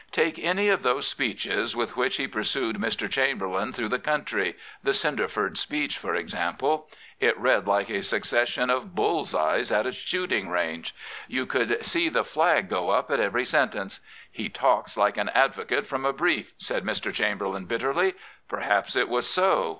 Take any of those speeches with which he pursued Mr. Chamberlain through the country — the Cinderford speech for example. It read like a succession of " bull's eyes " at a shooting range. You cquld see the flag go up at every sentence. " He talks like an advocate from a brief," said Mr. Chamberlain bitterly. Perhaps it was so.